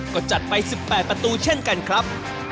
ก็จัดไป๑๘ประตูเช่นกันครับ